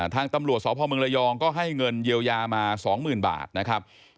ทางตำรวจสพเมืองระยองก็ให้เงินเยียวยามา๒๐๐๐บาทนะครับ